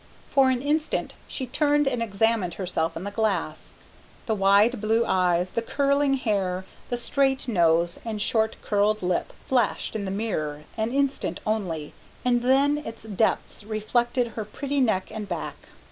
For an instant she turned and examined herself in the glass. The wide blue eyes, the curling hair, the straight nose and short curled lip flashed in the mirror an instant only, and then its depths reflected her pretty neck and back.